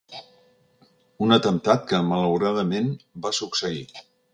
Un atemptat que, malauradament, va succeir.